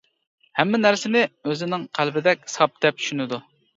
ھەممە نەرسىنى ئۆزىنىڭ قەلبىدەك ساپ دەپ چۈشىنىدۇ.